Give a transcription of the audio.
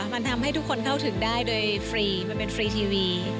มันทำให้ทุกคนเข้าถึงได้โดยฟรีมันเป็นฟรีทีวี